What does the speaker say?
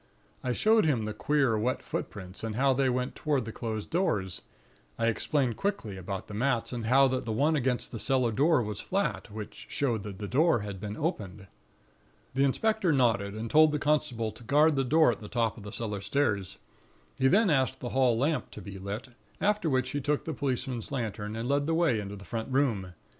I showed him the queer, wet footprints and how they went toward the closed doors. I explained quickly about the mats, and how that the one against the cellar door was flat, which showed the door had been opened. "The inspector nodded, and told the constable to guard the door at the top of the cellar stairs. He then asked the hall lamp to be lit, after which he took the policeman's lantern, and led the way into the front room.